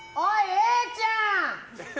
英ちゃん！